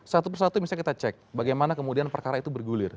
satu persatu misalnya kita cek bagaimana kemudian perkara itu bergulir